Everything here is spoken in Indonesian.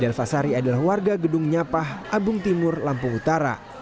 delfasari adalah warga gedung nyapah abung timur lampung utara